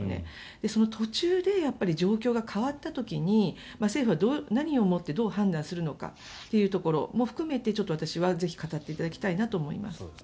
その途中で状況が変わった時に政府は何をもってどう判断するのかというところも含めてちょっと私はぜひ語っていただきたいなと思います。